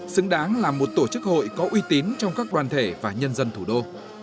xứng đáng là một tổ chức hội có uy tín trong các đoàn thể và nhân dân thủ đô